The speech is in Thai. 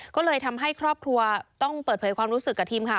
ก็เลยทำให้ครอบครัวต้องเปิดเผยความรู้สึกกับทีมค่ะ